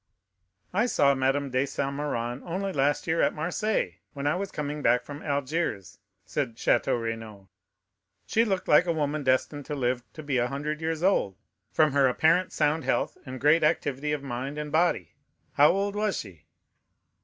"I saw Madame de Saint Méran only last year at Marseilles, when I was coming back from Algiers," said Château Renaud; "she looked like a woman destined to live to be a hundred years old, from her apparent sound health and great activity of mind and body. How old was she?"